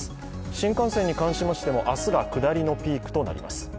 新幹線に関しましても明日が下りのピークとなります。